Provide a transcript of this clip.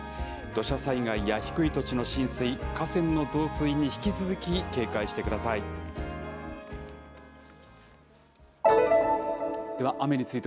土砂災害や低い土地の浸水、河川の増水に引き続き警戒してください。